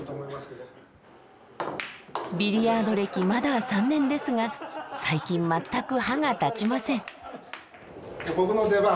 ビリヤード歴まだ３年ですが最近まったく歯が立ちません。